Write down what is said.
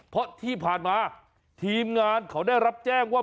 เพราะที่ผ่านมาทีมงานเขาได้รับแจ้งว่า